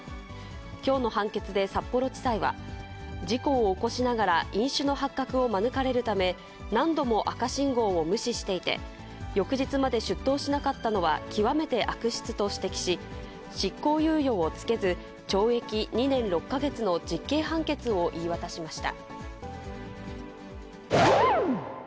きょうの判決で札幌地裁は、事故を起こしながら、飲酒の発覚を免れるため、何度も赤信号を無視していて、翌日まで出頭しなかったのは極めて悪質と指摘し、執行猶予を付けず、懲役２年６か月の実刑判決を言い渡しました。